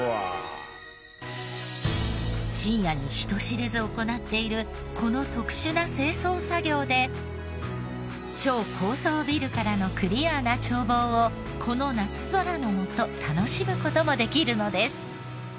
深夜に人知れず行っているこの特殊な清掃作業で超高層ビルからのクリアな眺望をこの夏空のもと楽しむ事もできるのです。